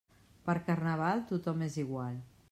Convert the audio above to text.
Per Carnaval, tothom és igual.